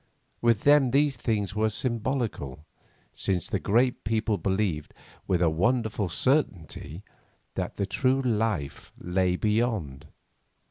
With them these things were symbolical, since that great people believed, with a wonderful certainty, that the true life lay beyond.